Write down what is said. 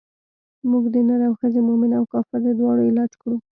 موږ د نر او ښځې مومن او کافر د دواړو علاج کړو.